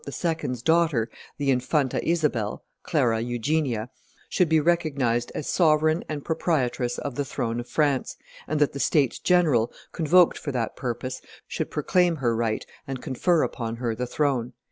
's daughter, the Infanta Isabella (Clara Eugenia), should be recognized as sovereign and proprietress of the throne of France, and that the states general, convoked for that purpose, should proclaim her right and confer upon her the throne.